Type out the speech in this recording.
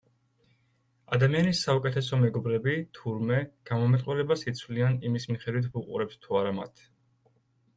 ადამიანის საუკეთესო მეგობრები, თურმე, გამომეტყველებას იცვლიან იმის მიხედვით, ვუყურებთ თუ არა მათ.